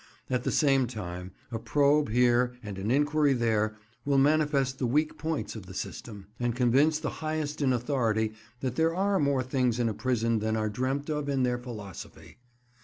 At the same time, a probe here and an inquiry there will manifest the weak points of the "system," and convince the highest in authority that there are more things in a prison than are dreamt of in their philosophy.